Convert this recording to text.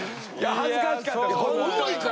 恥ずかしかったです